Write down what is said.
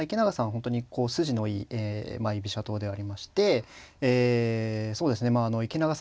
本当にこう筋のいい居飛車党でありましてえそうですねまああの池永さん